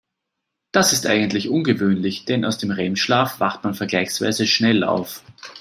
Das ist eigentlich ungewöhnlich, denn aus dem REM-Schlaf wacht man vergleichsweise schnell auf.